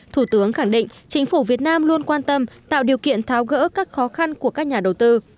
thủ tướng khẳng định chính phủ việt nam luôn quan tâm tạo điều kiện tháo gỡ các khó khăn của các nhà đầu tư